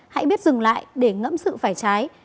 hãy biết dừng lại để ngẫm sự phải trái